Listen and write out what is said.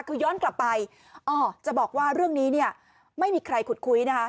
คือย้อนกลับไปจะบอกว่าเรื่องนี้เนี่ยไม่มีใครขุดคุยนะคะ